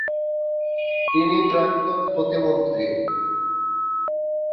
তিনি প্রাক্তন প্রতিমন্ত্রী।